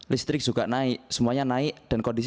listrik juga naik semuanya naik dan kondisi